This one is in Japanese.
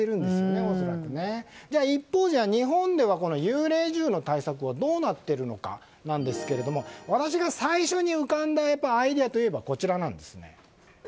一方、日本では幽霊銃の対策はどうなっているのかなんですが私が最初に浮かんだアイデアはこちらです。